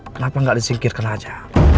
kenapa gak disingkirkan aja